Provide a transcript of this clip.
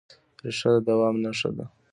ریښه د دوام نښه ده.